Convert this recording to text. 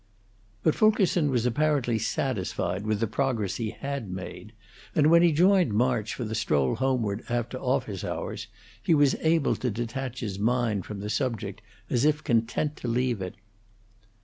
But Fulkerson was apparently satisfied with the progress he had made; and when he joined March for the stroll homeward after office hours, he was able to detach his mind from the subject, as if content to leave it.